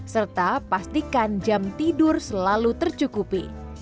serta pastikan jam tidur selalu tercukupi